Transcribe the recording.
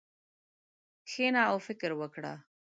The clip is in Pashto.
کښېنه او فکر وکړه.